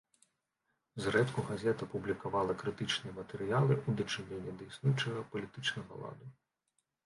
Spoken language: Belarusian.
Зрэдку газета публікавала крытычныя матэрыялы ў дачыненні да існуючага палітычнага ладу.